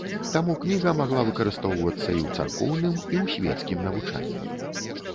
Таму кніга магла выкарыстоўвацца і ў царкоўным, і ў свецкім навучанні.